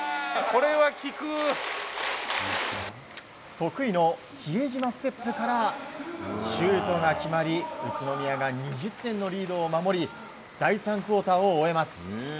得意の比江島ステップからシュートが決まり宇都宮が２０点のリードを奪い第３クオーターを終えます。